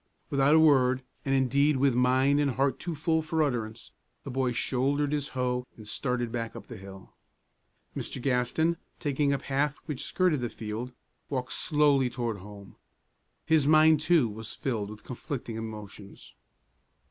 Without a word, and indeed with mind and heart too full for utterance, the boy shouldered his hoe and started back up the hill. Mr. Gaston, taking a path which skirted the field, walked slowly toward home. His mind too was filled with conflicting emotions.